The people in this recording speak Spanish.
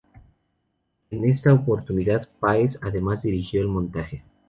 En esta oportunidad Páez además dirigió el montaje.